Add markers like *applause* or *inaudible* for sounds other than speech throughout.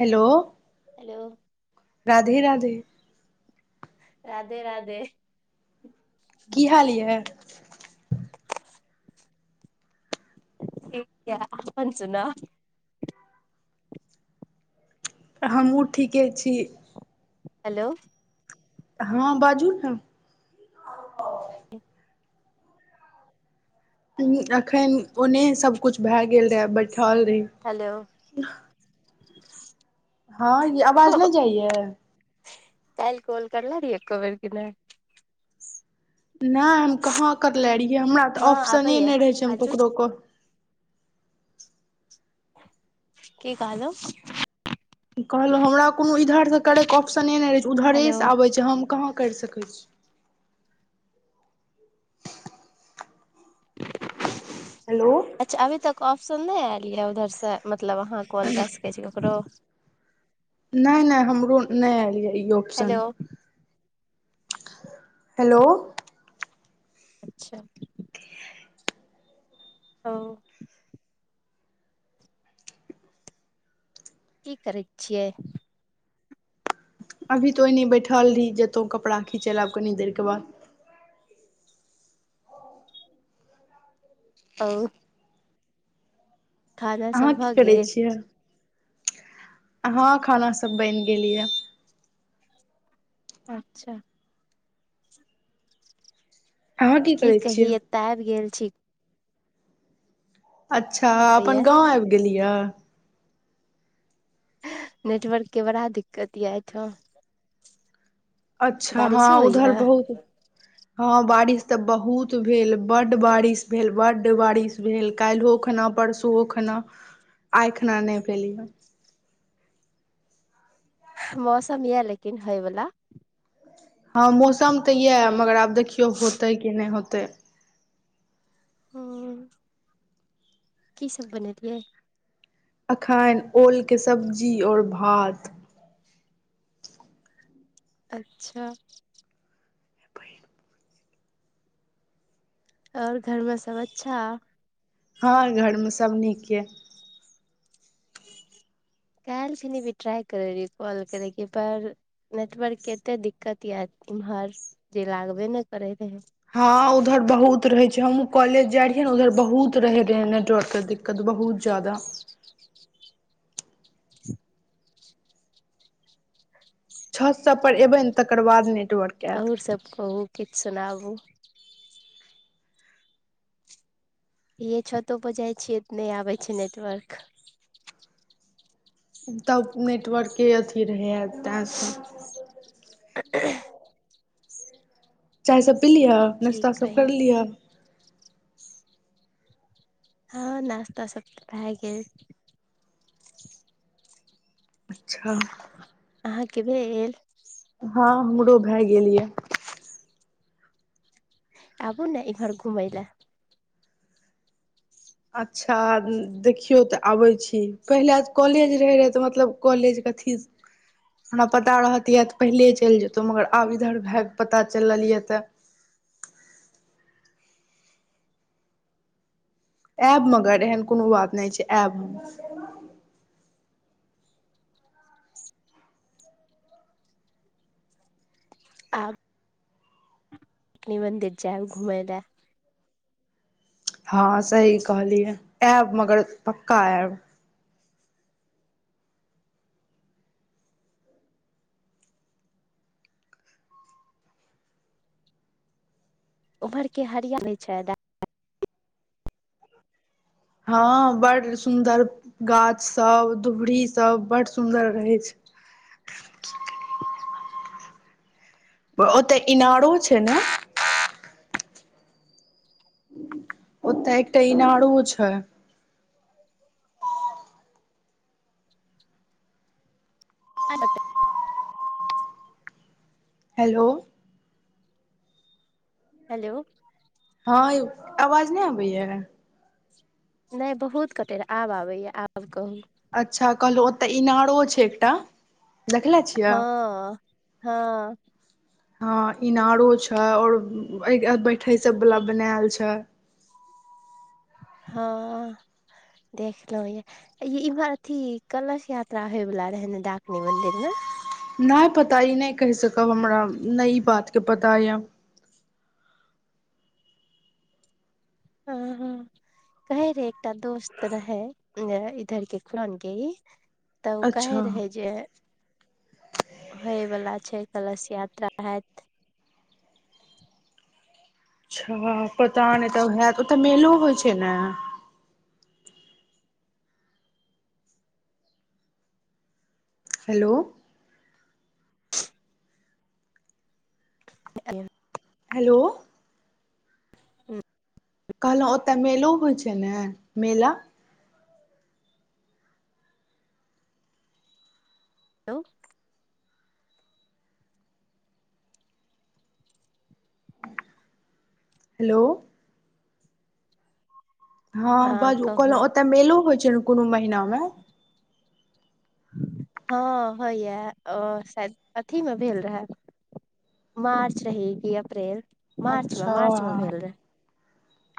Hello. Hello. Radhe Radhe. Radhe Radhe. की हाल यऽ? ठिक य अपन सुु ने। हमहूँ ठीके छी। हेलो। हँ बाजू ने। अखन ओने सब कुछ भए गेल रहे बैठल रहे। हेलो *unintelligible* हँ ई आवाज नहि जाइय। कालल कॉल करल री एको बेर क नहि। नहि हम कहाँ करले रहियै हमरा हँ तऽ ऑप्शने आबैया नहि रहै छै हम बाजू ककरो को। की कहलो? कहलहुँ हमरा कोनो इधरसँ करैके ऑप्शने नहि रहै छै हेलो उधरेसँ आबै छै हम कहाँ करि सकैत छी। हेलो अच्छा अभी तक ऑप्शन नहि आयल यऽ उऊधर से मतलब अहाँ कॉल कए सकै छी ककरो? नहि नहि हमरो नहि एल ये यो। हेलो हेलो अच्छा ओ की करै छियै? अभी तो ओहिने बैठल रही जेतहु कपड़ा खिचै लए आब कनी देरके बाद अं खाना अहाँ सब की भ करै गेल? ह खाना सब बनि गेलअ। अच्छा अहाँ की करै छियै कहीअ एतय आबि गेल छी। अच्छा अपन होइया गाँव आबि गेलिअ? नेटवर्क के बड़ा दिक्कतअ अहि ठाम। अच्छा ह बारिशो उधर होइया बहु *unintelligible* ह बारिश त बहुत भेल, बड बारिश भेल, बड बारिश भेल काइल्हो खना परसु। ओ खना आइ खना नहि भेलअ। मौसमअ लेकिन हइ बला। ह मौसम त यै मगर आब देखियौ होतै कि नहि होतै। ह की सब बनेलीयै? अखन ओलके सब्जी और भात। अच्छा। और घरमे सब अच्छा? ह घरमे सबनीके। काइल खने भी ट्राइ करै रहियेऽ काॅल करैके पर नेटवर्कके एत्तेक दिक्कतयै इम्हर जे लागबे ने करै रहै। ह ऊधर बहुत रहै छै, हमहु कॉलेज जाय रहियै ने उधर बहुत रहै दे नेटवर्क के दिक्कत। कद बहुत जादा। छत सब पर एबै ने तकर बाद नेट- अहुं सब कहु किछ सुनाबु। येऽछतो पर जाइ छियैत नय आबै छै नेटवर्क। तब नेटवर्के अथी रहैअ तैं सांत *unintelligible* चायसब पीलीअ की नाश्ता सब कही कैर लीअ। हं नाश्ता सब त भैऽ गेल। अच्छा। अहाके भेल? हं हमरो भैऽ गेल यैऽ। आबु न एम्हर घुमय लय। अच्छा द-देखियौ त आबै छी। पहिलेआ कॉलेज रहैरैहऽ त मतलब कॉलेज कथी? *unintelligible* हमरा पता रहतयै त पहिले चइल जैइतहुँ। मगर आब इधर भए क पता चललीयैऽ त ऐब मगर एहन कोनो वात नय छै ऐब हम। *inaudible* कनी मन्दिर जैऽब घुमय लैऽ। हं सही कहलियहे। ऐब मगर पक्का ऐऽब। उम्हर के हरिया नय छय डा- हं- बड़ सुंदर गाछ सब, दुभरी सब, बड्ड सुंदर रहै छय। ओ-तय इणारो छय ने? ओत एकटा इणारो छय। *inaudible* *inaudible* हेलो। हं यौ अवाज नै अबैयैऽ? नै बहुत कटे रहै, आब आबैए आब कहू? अच्छा कहलहुँ ओतऽ इणरो छै एकटा। देखले छि? हं-हं- हं इणारो छै और अय अयगबैठे सब वला बनैल छय। हं देखलहुँ यैऽ। यै इम्हर अथी- कलश यात्रा होयवला रहै नै डाकनी मंदिर में? न पता ई नै कहि सकब हमरा नै ई बातके पता यैऽ। हं-हं- कहै रहै एकटा दोस्त रहै नै इधर के खुरन के इ- तऽ ओ कहै अच्छा रहै जे होय वला छै। कलश यात्रा हैत। अच्छा, पता नै तब हैत? ओत मेलो होइ छै ने? हेलो। हेलो हुं। कहलौं ओत मेलो होइ छै नै मेला? हेलो। हेलो हाँ हँ बाजू, कहू कहलौं ओत मेलो होइ छै नै कुनो महीना में? हाँ होइया, ओ शायद अथीमे भेल रहा। मार्च रही कि अप्रैल? अच्छा मार्चमे-मार्चमे भेल रहै *inaudible*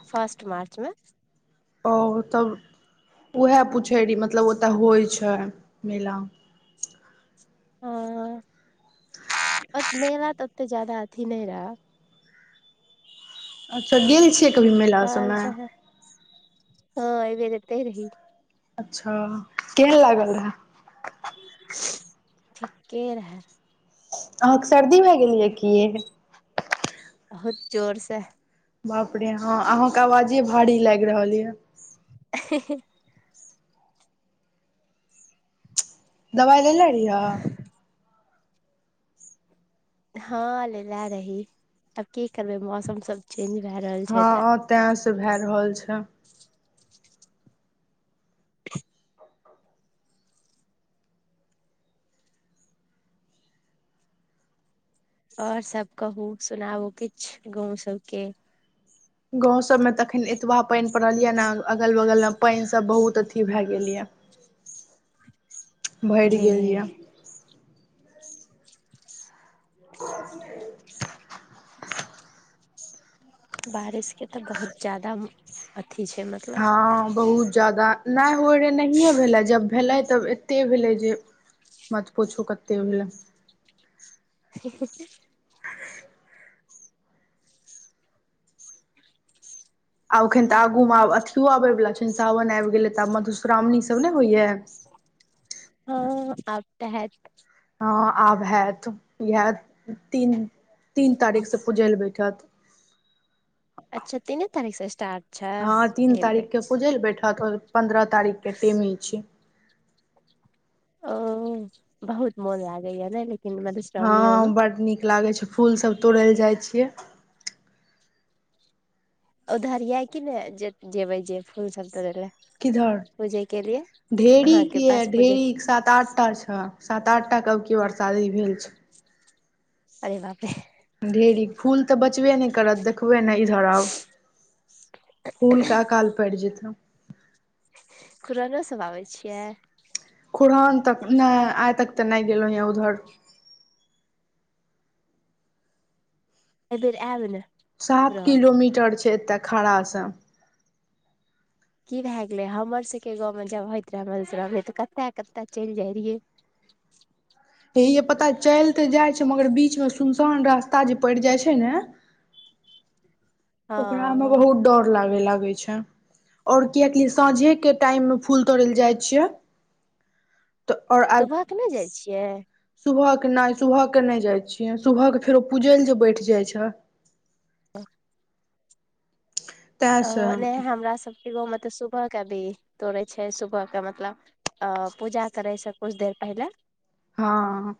फर्स्ट मार्चमे? ओ तब उहे पुछै रही मतलब ओत होइ छै मेला? हाँ अत मेला त ओते जादा अथी नै रह अच्छा गेल छियै? कभी मेला सभमे *unintelligible* *inaudible* हाँ अइ बेेर एतै रह अच्छा, केहन लागल रहै? *inaudible* ठीके रहै। अहाँके सर्दी भए गेल कि यै? बहुत जोर से। बाप रे हाँ, अहाँके आवाजे भारी लागि रहल य। अ हे है दबाइ लेले रहिअ? हाँ लेलै रही। *inaudible* अब की करबै मौसम सब चेंज भा रहल छै त? तस भा रहल छै। आओर सब कहु, सुनाउ किछ गाँंव सबके। गाँव सबमें त एखन एतबा पैन परल या न, अगल बगलमे पैन सब बहुत अथी भा गेल या‌। भरि ले गेल या। *unintelligible* बारिश के त बहुत जादा अथी छै मत हाँ बहुत जादा, नै होइ रहै नहिए भेलै जब भेलै त एते भेलै जे मत पुछु कते भेलै। ही ही ह आब ओखन त आगुमे आब अथियो आबै बला छनि सावन आबि गेलै त आब मधुश्रावणी सभ नै होइया? ह हँ आब त हैत। हँ आब हैत। इएह तीन, तीन तारीख सं पुजै ले बैठत। अच्छा तीने तारीख सं स्टार्ट छै? *unintelligible* पुजै ले बैठत आओर पन्द्रह तारीख के टेमी छी। ओ बहुत मोन लागैया ने लेकिन मधुश हँ बड नीक लागै छै। फूल सब तोरै ले जाइ छियै। उधर यै कि नै? जे जेबै जे फूल सब तोरै ले? किधर, पूजे के लिए *inaudible* ढेरी के अहाँके या पास पूजे ढेरी एक साथ आठ अच्छा, सात आठ टा कब के बरसादी भेल छौ। अरे बाप रे। ढेरी, फूल तऽ बचबे नहि करत देखबे ने इधर आउ फूलके अकाल करि जैत है। खुरहाने से आबै छियै? खुरहान तक नहि आइ तक तऽ नहि गेलहुँ ये उधर। एहि बेेर आयब ने। सात कुरान किलोमीटर छै एतय सं खड़ासन। की भए गेले हमर सबके गाँव में जब होइत रहे मधुश्रावणी तऽ कते कते चलि जाय रहियै। हेे यै पता चल तऽ जाइ छै मगर बीचमे सुनसान रास्ता जे पड़ि जाइ छै ने ओकरा मे हँ बहुत डर लागे लागै छै। और कियाकि साँझेके टाइममे फूल तोड़य लेल जाइ छियै *inaudible* तऽ और आ सुबह के नहि जाइ छियै *inaudible* सुबहके नहि, सुबहके नहि जाइ छियै। सुबहके फेरो पूजय लए जे बैठ जाइत छै। ह *unintelligible* ओ तैसँ नै हमरा सबके गाँव मे तऽ सुबह के भी तोड़ै छै। सुबह के मतलब ओ पूजा करै से किछु देर पहिले हं।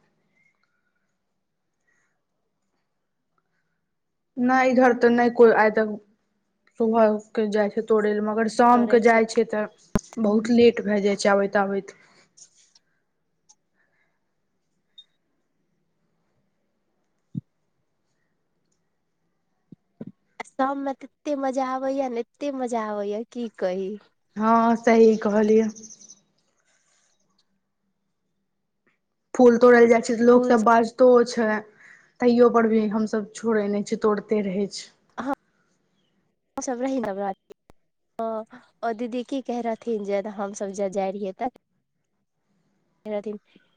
नहि इधर त नहि कोई आइ तक सुबह उठि के जाय छै तोड़ै ले मगर शामके जाइ छै तऽ बहुत लेट भए जाइ छै आबैत आबैत। आ शाममे त एतेक मजा आबैया ने एतेक मजा आबैए की कही। हँ सही कहलियै। फूल तोड़ै ले जाइ छै त लोक फूल सब बाज तो छै तैयो पर भी हमसभ छोड़ै नहि छी, तोड़ते रहे छै। ह *unintelligible* सब रही नवरात्र हं ओ दीदी की कहै रहथिन जे हमसभ जे जाइ रहियै तऽ? मेरा दिन *unintelligible*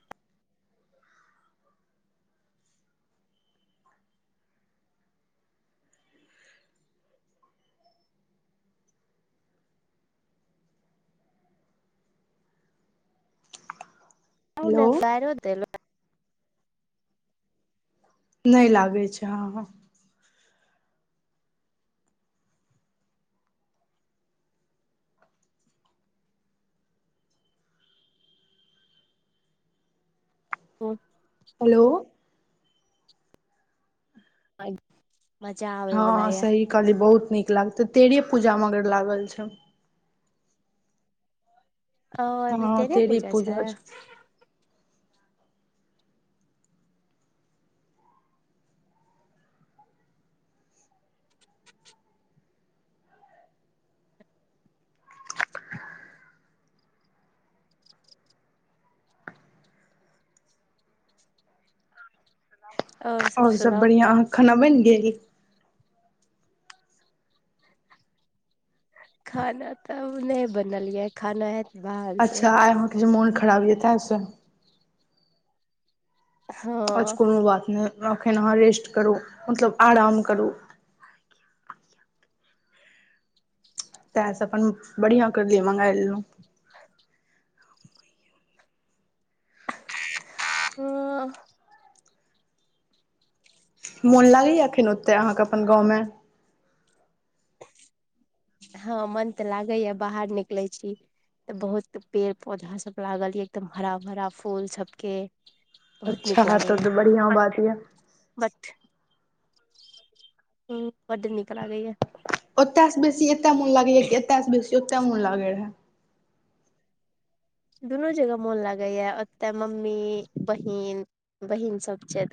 आ ने हेलो बरो देल *unintelligible* नै लागै छै हँ ह *unintelligible* हेलो। आइं *unintelligible* हँ सही कहलियै बहुत नीक लागते, तेरे पूजा मगर लागल छौं। ओ अबरि तेरेह पूजा छै। सब और सभ सुनाउ बढ़िआँ, अहाँके खाना बनि गेल? खाना तऽ नहि बनलियै। खाना बाहर से अच्छा आइ अहाँके जे मोन खराब ये तैहिसँ हँ आच्छ कोनो बात नै, एखन अहाँ रेस्ट करू मतलब आराम करू। तैहिसँ अपन बढ़िआँ करलियै मँगाए लेलहुँ। हँ। मोन लागैए एखन ओते अहाँके अपन गाँवमे। हँ मन तऽ लागैए, बाहर निकलैत छी। तऽ बहुत पेड़ पौधा सब लागल ये एकदम हरा भरा फूल सब के। बहुत नीक अच्छा तब लागैये, तऽ बढ़िआँ बात यऽ बट *inaudible* हुं बड नीक लागैया। ओत स बेसी एत मोन लागैया कि एत सं बेसी ओत मोन लागै रहा? दुनू जगह मोन लागैया। ओत मम्मी, बहिन, बहिन सब छै त